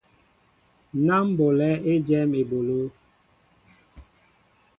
Ná ḿ ɓolɛέ éjem eɓoló.